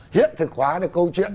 hiết thực hóa được câu chuyện